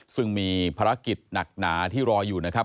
ซึ่งมีภารกิจหนักหนาที่รออยู่นะครับ